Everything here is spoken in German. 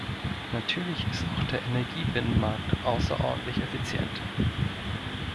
Natürlich ist auch der Energiebinnenmarkt außerordentlich effizient.